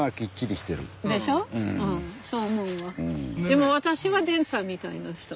でも私はデンさんみたいな人。